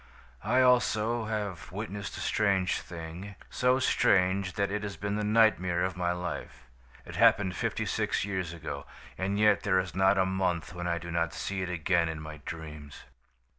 "I, also, have witnessed a strange thing so strange that it has been the nightmare of my life. It happened fifty six years ago, and yet there is not a month when I do not see it again in my dreams.